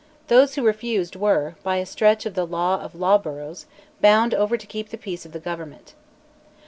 Those who refused were, by a stretch of the law of "law burrows," bound over to keep the peace of the Government.